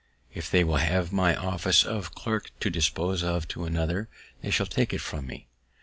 If they will have my office of clerk to dispose of to another, they shall take it from me.